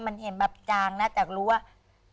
มันเห็นแบบจางนะแต่รู้ว่า